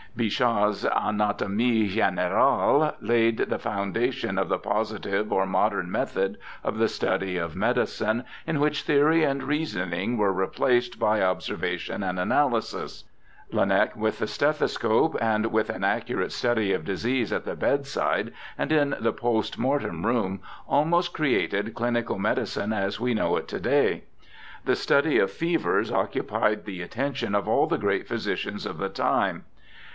Bichat's Anatomie Ge'nerale laid the foundation of the positive or modern method of the study of medicine, in which theory and reasoning were replaced by observa tion and analysis. Laennec, with the stethoscope, and with an accurate study of disease at the bedside and in the post mortem room, almost created clinical medicine as we know it to day. The study of fevers occupied the attention of all the great physicians of the time.